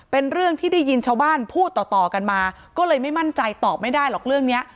เป็นเรื่องที่ได้ยินชาวบ้านพูดต่อต่อกันมาก็เลยไม่มั่นใจตอบไม่ได้หรอกเรื่องนี้